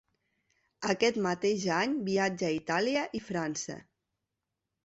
Aquest mateix any viatja a Itàlia i França.